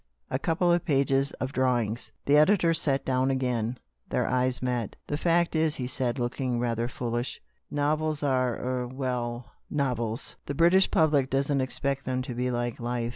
A couple of pages of drawings." The editor sat down again. Their eyes met. ^ The fact is," he said, looking rather fool ish, "novels are — er — well — novels. The British public doesn't expect them to be like life.